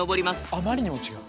あまりにも違う。